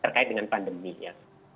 terkait dengan pandemi ya